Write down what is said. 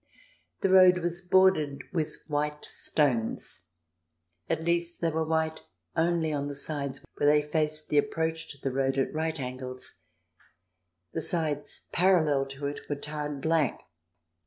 The road was bordered with white stones — at least, they were white only on the sides where they faced the approach to the road at right angles ; the sides parallel to it were tarred black.